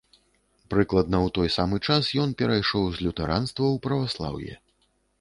Прыкладна ў той самы час ён перайшоў з лютэранства ў праваслаўе.